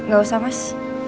gak usah mas